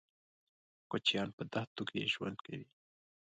کوچيان په دښتو کې ژوند کوي.